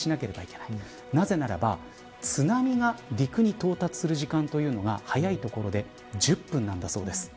なぜならば、津波が陸に到達する時間というのが早い所で１０分なんだそうです。